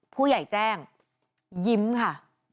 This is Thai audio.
ผู้ใหญ่แจ้งยิ้มค่ะ